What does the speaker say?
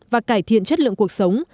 và cải thiện chất lượng cuộc sống